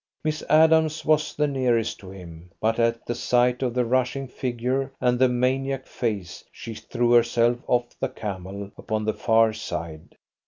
Miss Adams was the nearest to him, but at the sight of the rushing figure and the maniac face she threw herself off the camel upon the far side.